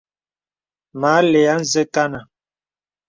Mə àlə̀ ā nzə kanà.